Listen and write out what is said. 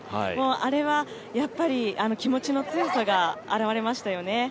あれは気持ちの強さが現れましたよね。